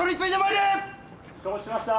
承知しました。